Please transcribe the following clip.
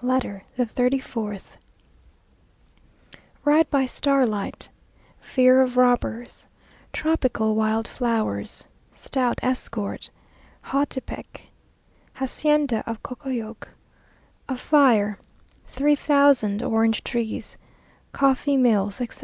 LETTER THE THIRTY FOURTH Ride by Starlight Fear of Robbers Tropical Wild Flowers Stout Escort Hautepec Hacienda of Cocoyoc A Fire Three Thousand Orange trees Coffee Mills, etc.